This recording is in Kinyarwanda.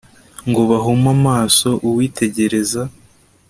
ngo bahume amaso uwitegereza